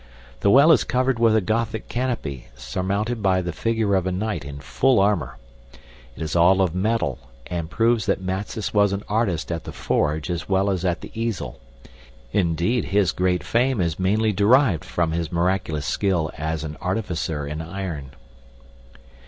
The well is covered with a Gothic canopy surmounted by the figure of a knight in full armor. It is all of metal and proves that Matsys was an artist at the forge as well as at the easel; indeed, his great fame is mainly derived from his miraculous skill as an artificer in iron."